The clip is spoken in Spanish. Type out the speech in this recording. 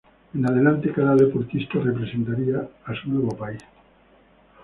En adelante cada deportista representaría a su nuevo país.